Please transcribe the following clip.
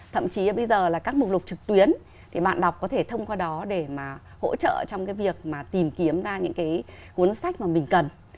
thậm chí bây giờ là các mục lục trực tuyến thì bạn đọc có thể thông qua đó để mà hỗ trợ trong cái việc mà tìm kiếm ra những cái cuốn sách mà mình cần